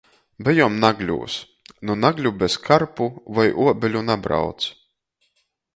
Bejom Nagļūs. Nu Nagļu bez karpu voi uobeļu nabrauc.